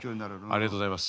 ありがとうございます。